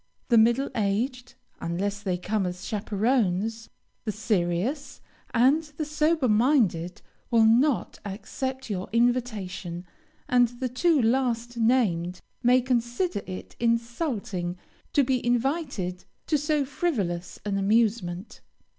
The middle aged, (unless they come as chaperons,) the serious, and the sober minded, will not accept your invitation, and the two last named may consider it insulting to be invited to so frivolous an amusement.